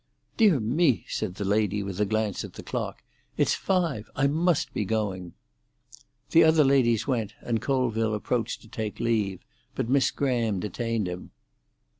"Dear me!" said the lady, with a glance at the clock. "It's five! I must be going." The other ladies went, and Colville approached to take leave, but Miss Graham detained him.